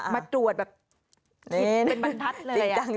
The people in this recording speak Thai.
มาตรวจแบบคิดเป็นบรรทัดเลย